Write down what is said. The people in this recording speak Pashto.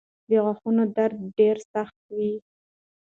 د غاښونو درد ډېر سخت وي.